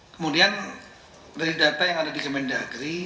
kemudian dari data yang ada di kemendagri